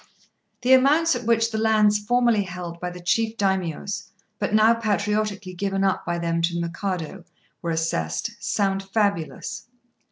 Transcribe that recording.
The amounts at which the lands formerly held by the chief Daimios, but now patriotically given up by them to the Mikado, were assessed, sound fabulous.